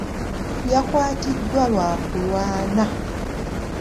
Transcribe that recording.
Yakwatiddwa lwa kulwana.